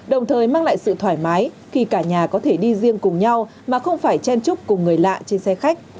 đồng thời mang lại sự thoải mái khi cả nhà có thể đi riêng cùng nhau mà không phải chen chúc cùng người lạ trên xe khách